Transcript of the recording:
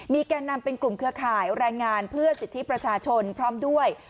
แก่นำเป็นกลุ่มเครือข่ายแรงงานเพื่อสิทธิประชาชนพร้อมด้วย